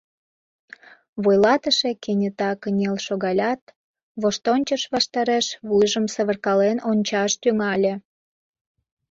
Вуйлатыше кенета кынел шогалят, воштончыш ваштареш вуйжым савыркален ончаш тӱҥале.